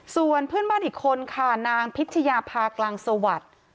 ส่วนเพื่อนบ้านอีกคนค่ะนางพิชยาภากลางสวัสดิ์